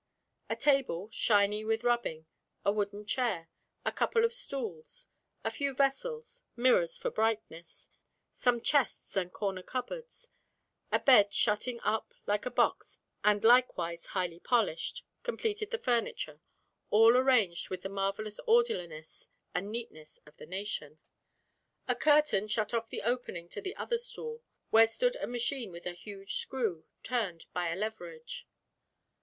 A table, shiny with rubbing, a wooden chair, a couple of stools, a few vessels, mirrors for brightness, some chests and corner cupboards, a bed shutting up like a box and likewise highly polished, completed the furniture, all arranged with the marvellous orderliness and neatness of the nation. A curtain shut off the opening to the other stall, where stood a machine with a huge screw, turned by leverage.